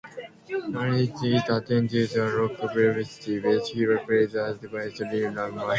Kinsinger attended Slippery Rock University, where he played as a defensive lineman.